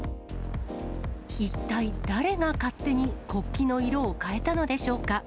一体誰が勝手に国旗の色を変えたのでしょうか。